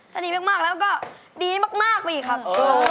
ถ้าดีมากแล้วก็ดีมากไปอีกครับ